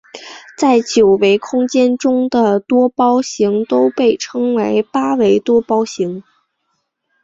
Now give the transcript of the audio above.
在九维空间中的多胞形都被称为八维多胞形。